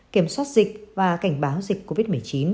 kiểm soát dịch và cảnh báo dịch covid một mươi chín